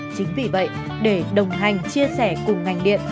chính vì vậy để đồng hành chia sẻ cùng ngành điện